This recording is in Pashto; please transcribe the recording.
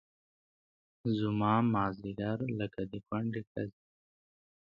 زما مازدیګر لکه د کونډې ښځې